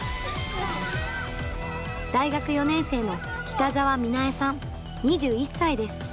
大学４年生の北澤美菜恵さん、２１歳です。